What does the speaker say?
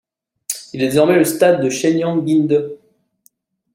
Il est désormais le stade de Shenyang Ginde.